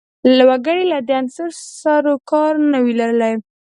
وګړي له دې عنصر سر و کار نه وي لرلای